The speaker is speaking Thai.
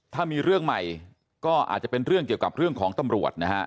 ถ้ามีเรื่องใหม่ก็อาจจะเป็นเรื่องเกี่ยวกับเรื่องของตำรวจนะฮะ